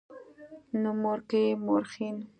نومورکي مؤرخين